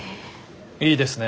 いいですね